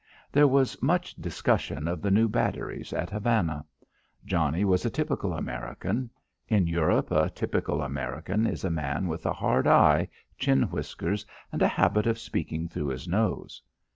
There was much discussion of the new batteries at Havana. Johnnie was a typical American. In Europe a typical American is a man with a hard eye, chin whiskers and a habit of speaking through his nose.